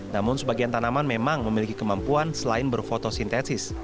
namun sebagian tanaman memang memiliki kemampuan selain berfotosintesis